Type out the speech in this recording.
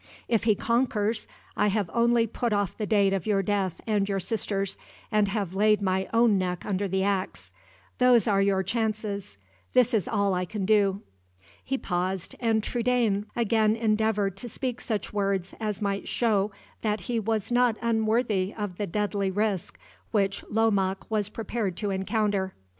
If he conquers, I have only put off the date of your death and your sister's, and have laid my own neck under the axe. Those are your chances this is all I can do." He paused, and Trudaine again endeavored to speak such words as might show that he was not unworthy of the deadly risk which Lomaque was prepared to encounter.